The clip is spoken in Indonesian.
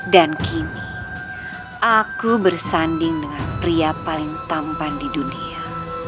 dan kini aku bersanding dengan pria paling tampan di dunia